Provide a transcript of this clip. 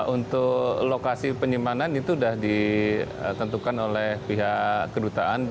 untuk lokasi penyimpanan itu sudah ditentukan oleh pihak kedutaan